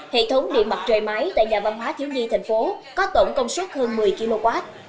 hệ thống điện mặt trời mái tại nhà văn hóa thiếu nhi thành phố có tổng công suất hơn một mươi kw